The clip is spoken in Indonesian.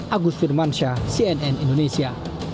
agus firman syah cnn indonesia